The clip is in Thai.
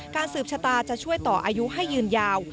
สืบชะตาจะช่วยต่ออายุให้ยืนยาว